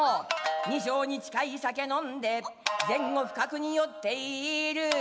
「二升に近い酒飲んで」「前後不覚に酔っている」